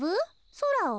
そらを？